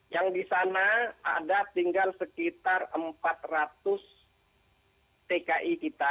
yang di sana ada tinggal sekitar empat ratus tki kita